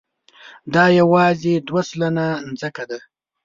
دا یواځې دوه سلنه ځمکه ده.